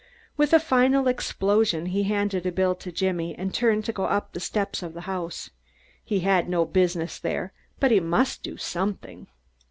With a final explosion he handed a bill to Jimmy and turned to go up the steps of the house. He had no business there, but he must do something.